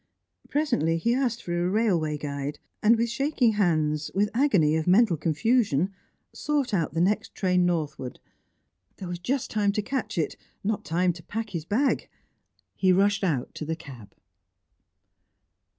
Presently he asked for a railway guide, and with shaking hands, with agony of mental confusion, sought out the next train northwards. There was just time to catch it; not time to pack his bag. He rushed out to the cab.